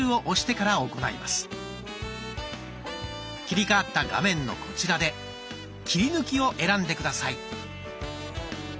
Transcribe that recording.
切り替わった画面のこちらで「切り抜き」を選んで下さい。